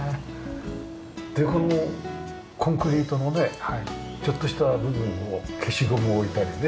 でこのコンクリートのねちょっとした部分を消しゴム置いたりね。